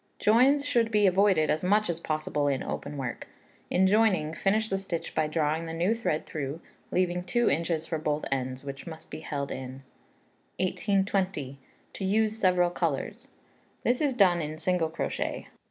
Joins should be avoided as much as possible in open work. In joining, finish the stitch by drawing the new thread through, leaving two inches for both ends, which must be held in. 1820. To Use several Colours. This is done in single crochet.